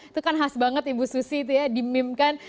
itu kan khas banget ibu susi itu ya dimimikan